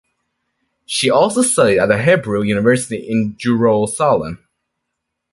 She also studied at Hebrew University in Jerusalem.